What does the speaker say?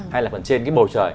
hay là phần trên cái bầu trời